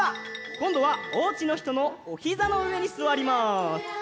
こんどはおうちのひとのおひざのうえにすわります。